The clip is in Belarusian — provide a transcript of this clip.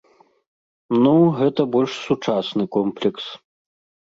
Ну, гэта больш сучасны комплекс.